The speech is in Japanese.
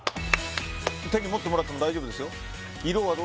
手に持ってもらっても大丈夫ですよ